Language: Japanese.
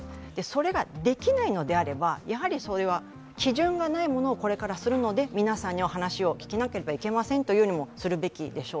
それができないのであれば、基準がないものをこれからするので皆さんには話を聞かなければいけませんとするべきなのに。